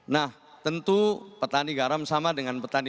nah tentu petani garam sama dengan petani